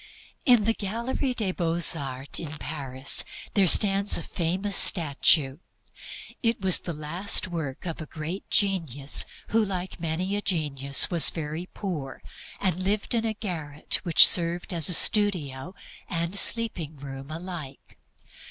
In the Gallerie des Beaux Arts in Paris there stands a famous statue. It was the last work of a great genius, who, like many a genius, was very poor and lived in a garret, which served as a studio and sleeping room alike.